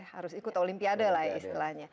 harus ikut olimpiade lah istilahnya